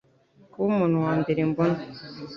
kuba umuntu wa mbere mbona